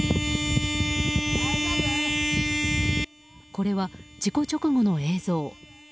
これは事故直後の映像。